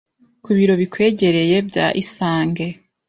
ku biro bikwegereye bya Isange